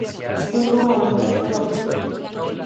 Tengo voluntad propia.".